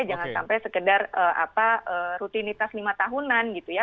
jangan sampai sekedar rutinitas lima tahunan gitu ya